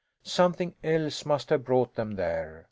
Something else must have brought them there.